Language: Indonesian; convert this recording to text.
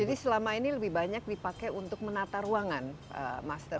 jadi selama ini lebih banyak dipakai untuk menata ruangan master